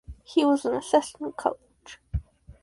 He was an assistant coach.